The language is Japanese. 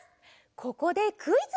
ここでクイズ！